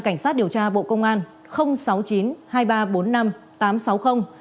cảnh sát điều tra bộ công an